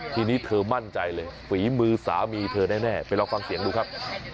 ทีนี้เธอมั่นใจเลยฝีมือสามีเธอแน่ไปลองฟังเสียงดูครับ